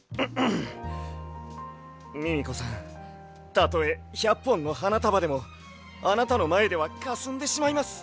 たとえ１００ぽんのはなたばでもあなたのまえではかすんでしまいます。